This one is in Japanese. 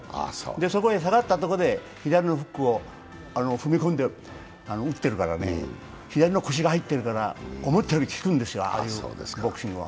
そこへ下がったところへ左のフックを踏み込んで打ってるから左の腰が入ってるから思ったより効くんですよ、ボクシングは。